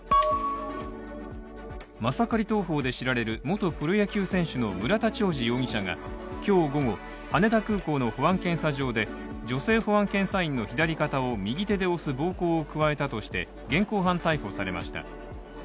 マサカリ投法で知られる元プロ野球選手の村田兆治容疑者が、今日午後、羽田空港の保安検査場で女性保安検査員の左肩を右手で押す暴行を加えたとして現行犯逮捕されました。